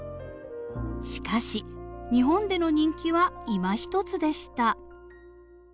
しかし日本での人気はいまひとつでした。